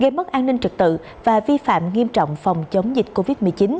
gây mất an ninh trực tự và vi phạm nghiêm trọng phòng chống dịch covid một mươi chín